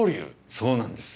そうなんです。